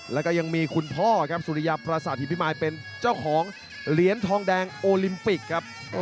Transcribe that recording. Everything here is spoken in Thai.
แล้วก็ยังมีคุณพ่อซุฤยาปราศาสตร์หินพิมมาลเป็นเจ้าของเหรียญทองแดงโอลิมปิกครับ